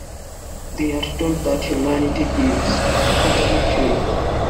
They are told that humanity is, ...Utterly free.